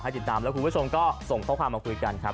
ติดตามแล้วคุณผู้ชมก็ส่งข้อความมาคุยกันครับ